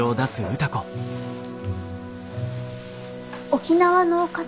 沖縄の方？